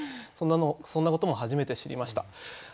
そんなことも初めて知りました。